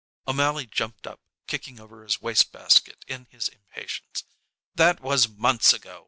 O'Mally jumped up, kicking over his waste basket in his impatience. "That was months ago.